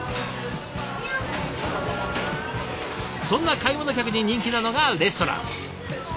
そんな買い物客に人気なのがレストラン。